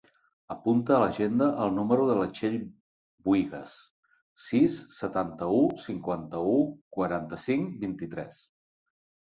Apunta a l'agenda el número de la Txell Buigues: sis, setanta-u, cinquanta-u, quaranta-cinc, vint-i-tres.